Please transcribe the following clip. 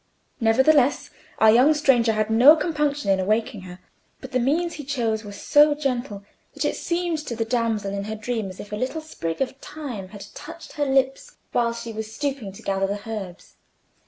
Nevertheless, our stranger had no compunction in awaking her; but the means he chose were so gentle, that it seemed to the damsel in her dream as if a little sprig of thyme had touched her lips while she was stooping to gather the herbs.